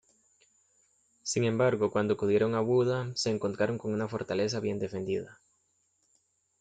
Sin embargo, cuando acudieron a Buda, se encontraron con una fortaleza bien defendida.